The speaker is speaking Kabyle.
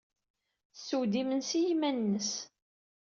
Tesseww-d imensi i yiman-nnes.